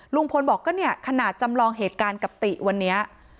ลุงพลบอกก็เนี่ยขนาดจำลองเหตุการณ์กับติวันนี้